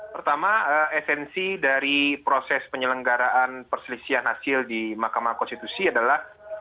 pertama esensi dari proses penyelenggaraan perselisihan hasil di mahkamah konstitusi adalah